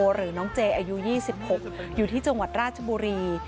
หรือน้องเจอายุ๒๖อยู่ที่จังหวัดราชบุรี